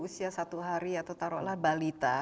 usia satu hari atau taruhlah balita